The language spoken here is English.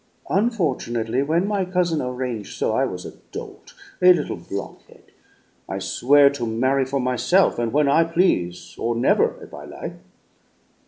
"Unfortunately, when my cousin arrange' so, I was a dolt, a little blockhead; I swear to marry for myself and when I please, or never if I like.